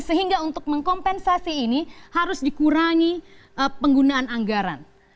sehingga untuk mengkompensasi ini harus dikurangi penggunaan anggaran